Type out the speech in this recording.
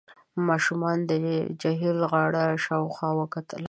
ماشومانو د جهيل غاړه شاوخوا وکتله.